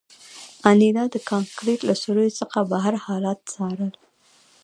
انیلا د کانکریټ له سوریو څخه بهر حالات څارل